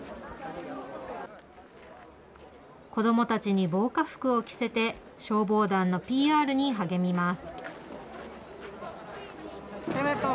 子どもたちに防火服を着せて、消防団のＰＲに励みます。